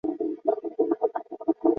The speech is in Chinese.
是赤松中学的日本轻小说。